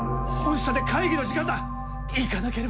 本社で会議の時間だ！